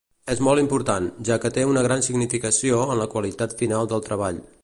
És molt important, ja que té una gran significació en la qualitat final del treball.